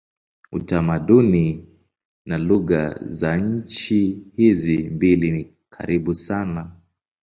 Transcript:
Utamaduni na lugha za nchi hizi mbili ni karibu sana.